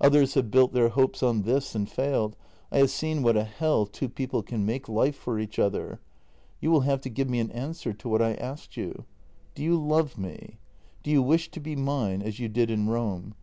Others have built their hopes on this and failed — I have seen what a hell two people can make life for each other. You will have to give me an answer to what I asked you. Do you love me ? Do you wish to be mine — as you did in Rome